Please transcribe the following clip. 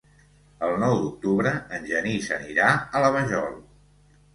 El nou d'octubre en Genís anirà a la Vajol.